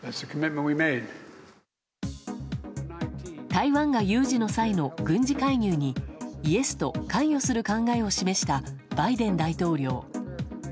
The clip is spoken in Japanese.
台湾が有事の際の軍事介入にイエスと関与する考えを示したバイデン大統領。